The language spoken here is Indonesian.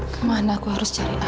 kemana aku harus cari apa